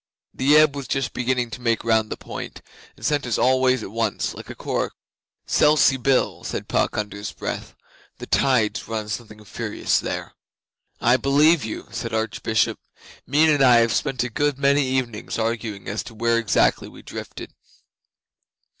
The ebb was just beginning to make round the point, and sent us all ways at once like a coracle.' 'Selsey Bill,' said Puck under his breath. 'The tides run something furious there.' 'I believe you,' said the Archbishop. 'Meon and I have spent a good many evenings arguing as to where exactly we drifted.